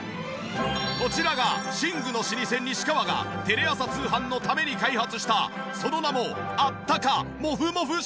こちらが寝具の老舗西川がテレ朝通販のために開発したその名もあったかモフモフ寝具。